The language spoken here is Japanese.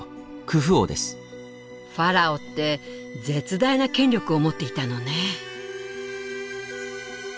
ファラオって絶大な権力を持っていたのね。